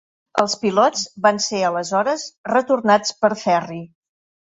Els pilots van ser aleshores retornats per ferri.